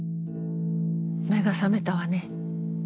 目が覚めたわね。